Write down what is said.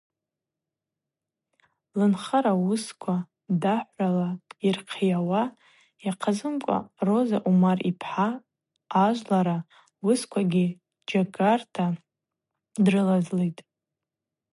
Лынхара уысква дахӏврала йлырхъйауа йахъазымкӏва Роза Умар йпхӏа ажвлара уысквагьи джьгарта дрылазлитӏ.